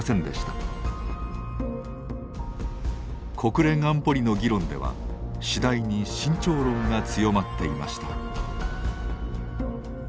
国連安保理の議論では次第に慎重論が強まっていました。